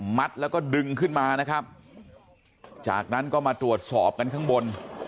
แล้วก็ดึงขึ้นมานะครับจากนั้นก็มาตรวจสอบกันข้างบน